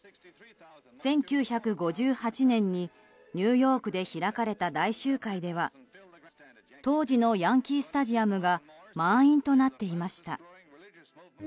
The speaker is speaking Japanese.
１９５８年に、ニューヨークで開かれた大集会では当時のヤンキー・スタジアムが満員となっていました。